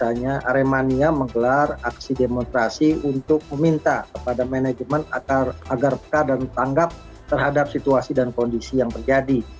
makanya aremania menggelar aksi demonstrasi untuk meminta kepada manajemen agar peka dan tanggap terhadap situasi dan kondisi yang terjadi